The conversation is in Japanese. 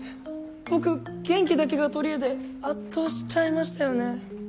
僕元気だけが取りえで圧倒しちゃいましたよね？